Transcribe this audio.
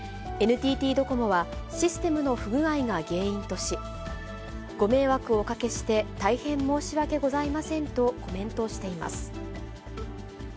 ＮＴＴドコモは、システムの不具合が原因とし、ご迷惑をおかけして、大変申し訳ございませんとコメントしています。